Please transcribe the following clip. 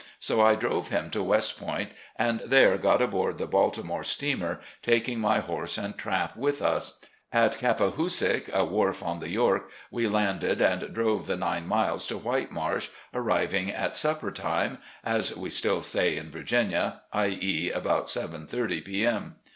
So I drove him to West Point, and there got aboard the Baltimoie steamer, taking my horse and trap with iis. At Cap pahoosic, a wharf on the York, we landed and drove the nine miles to "White Marsh," arriving at "supper time," as we still say in Virginia — i. e., about 7 :3o p. M.